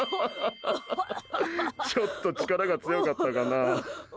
ちょっと力が強かったかな。